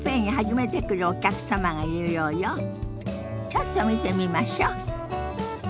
ちょっと見てみましょ。